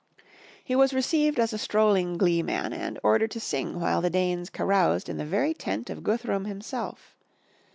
He was received as a strolling glee man and ordered to sing while the Danes caroused in the very tent of Guthrum himself.